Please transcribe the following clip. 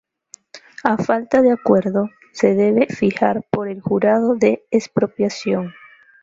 A falta de acuerdo, se debe fijar por el Jurado de Expropiación.